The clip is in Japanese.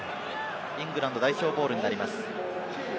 イングランド代表ボールになります。